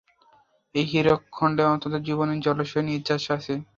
এই হীরকখন্ডে অনন্ত জীবনের জলাশয়ের নির্যাস আছে!